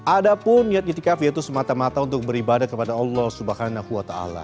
ada pun niat itikaf yaitu semata mata untuk beribadah kepada allah swt